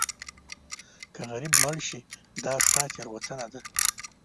که غریب مړ شې دا ستا تېروتنه ده.